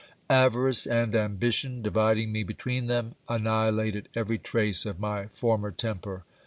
Avarice and ambition, dividing me between them, annihilated every trace of my former temper.